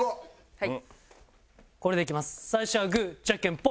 はい。